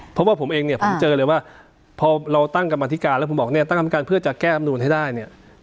เพราะว่าผมเองเนี่ยผมเจอเลยว่าพอเราตั้งกรรมธิการแล้วผมบอกเนี่ยตั้งกรรมการเพื่อจะแก้อำนูนให้ได้เนี่ย